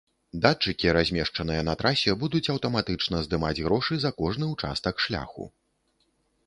Датчыкі, размешчаныя на трасе, будуць аўтаматычна здымаць грошы за кожны ўчастак шляху.